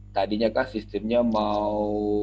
tadinya kan sistemnya mau